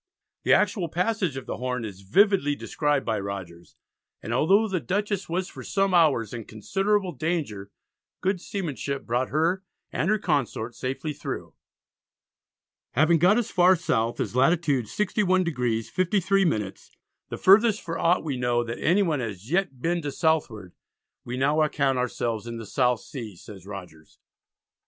The actual passage of the Horn is vividly described by Rogers, and although the Dutchess was for some hours in considerable danger, good seamanship brought her and her consort safely through. Having got as far south as latitude 61°53´, "the furthest for aught we know that anyone as yet has been to Southward, we now account ourselves in the South Sea," says Rogers.